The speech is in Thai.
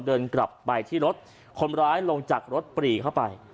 เดินกลับไปที่รถคนร้ายลงจากรถปรีเข้าไป